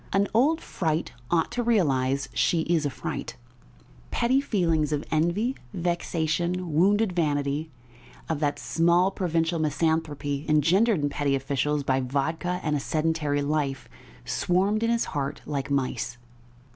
An old fright ought to realise she is a fright!" Petty feelings of envy, vexation, wounded vanity, of that small, provincial misanthropy engendered in petty officials by vodka and a sedentary life, swarmed in his heart like mice.